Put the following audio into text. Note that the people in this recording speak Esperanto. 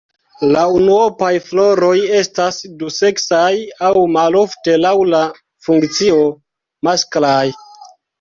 La unuopaj floroj estas duseksaj aŭ malofte laŭ la funkcio masklaj.